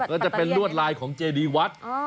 ก็จะเป็นลวดลายของเจดีวัด